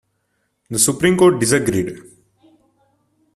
The Supreme Court disagreed.